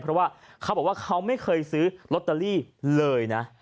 เพราะว่าเขาบอกว่าเขาไม่เคยซื้อลอตเตอรี่เลยนะ